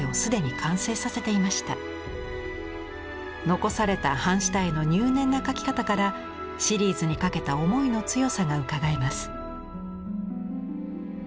残された版下絵の入念な描き方からシリーズにかけた思いの強さがうかがえます。